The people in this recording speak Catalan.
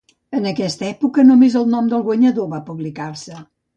En aquesta època només el nom del guanyador va publicar-se.